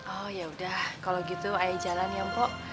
oh ya udah kalau gitu ae jalan ya pok